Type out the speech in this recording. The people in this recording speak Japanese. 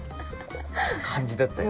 感じだったよ。